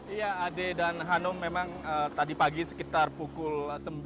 iya ade dan hanum memang tadi pagi sekitar pukul sembilan